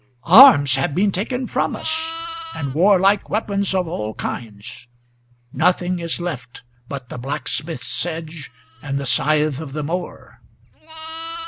Arms have been taken from us, and warlike weapons of all kinds; Nothing is left but the blacksmith's sledge and the scythe of the mower."